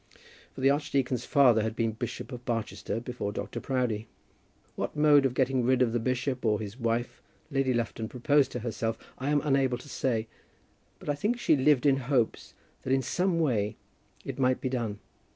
For the archdeacon's father had been Bishop of Barchester before Dr. Proudie. What mode of getting rid of the bishop or his wife Lady Lufton proposed to herself, I am unable to say; but I think she lived in hopes that in some way it might be done.